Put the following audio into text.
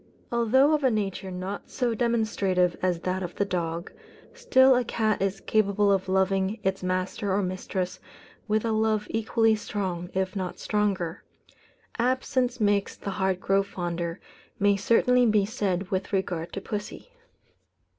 Although of a nature not so demonstrative as that of the dog, still a cat is capable of loving its master or mistress with a love equally strong, if not stronger. "Absence makes the heart grow fonder," may certainly be said with regard to pussy.